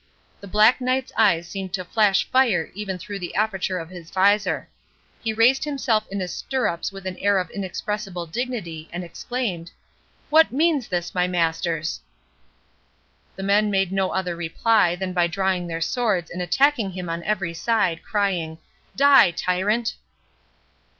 The Black Knight's eyes seemed to flash fire even through the aperture of his visor. He raised himself in his stirrups with an air of inexpressible dignity, and exclaimed, "What means this, my masters!"—The men made no other reply than by drawing their swords and attacking him on every side, crying, "Die, tyrant!"